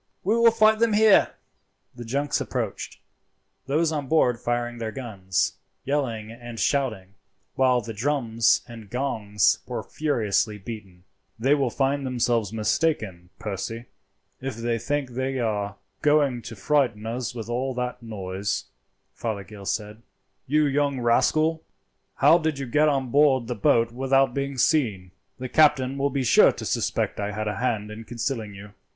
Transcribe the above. We will fight them here." The junks approached, those on board firing their guns, yelling and shouting, while the drums and gongs were furiously beaten. "They will find themselves mistaken, Percy, if they think they are going to frighten us with all that noise," Fothergill said. "You young rascal, how did you get on board the boat without being seen? The captain will be sure to suspect I had a hand in concealing you."